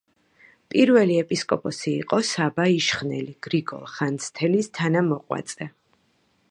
პირველი ეპისკოპოსი იყო საბა იშხნელი, გრიგოლ ხანძთელის თანამოღვაწე.